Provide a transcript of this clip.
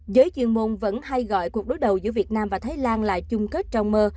giới chuyên môn vẫn hay gọi cuộc đối đầu giữa việt nam và thái lan là chung kết trong mơ